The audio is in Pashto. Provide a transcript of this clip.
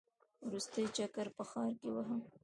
وروستی چکر په ښار کې وهم.